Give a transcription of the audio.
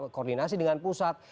koordinasi dengan pusat